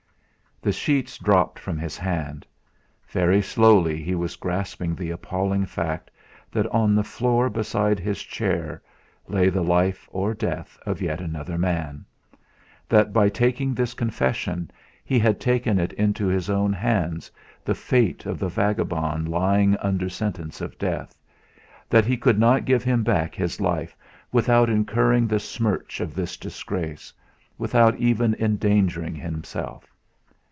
The sheets dropped from his hand. Very slowly he was grasping the appalling fact that on the floor beside his chair lay the life or death of yet another man; that by taking this confession he had taken into his own hands the fate of the vagabond lying under sentence of death; that he could not give him back his life without incurring the smirch of this disgrace, without even endangering himself.